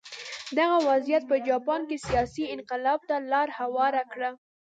دغه وضعیت په جاپان کې سیاسي انقلاب ته لار هواره کړه.